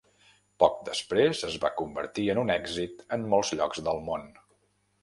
Poc després es va convertir en un èxit en molts llocs del món.